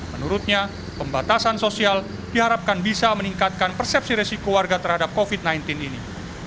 menurutnya pembatasan sosial diharapkan bisa meningkatkan persepsi resiko warga terhadap covid sembilan belas ini